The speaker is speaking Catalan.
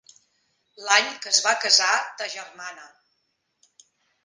L'any que es va casar ta germana.